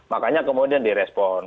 makanya kemudian direspon